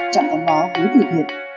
chẳng em báo hối tự thiện